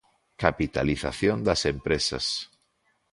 Capitalización das empresas.